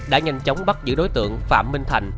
đã nhanh chóng bắt giữ đối tượng phạm minh thành